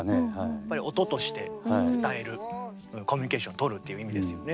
やっぱり音として伝えるコミュニケーションをとるっていう意味ですよね。